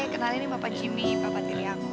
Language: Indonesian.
kenalin ini bapak jimmy bapak tiri aku